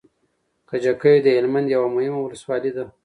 کجکی د هلمند يوه مهمه ولسوالي ده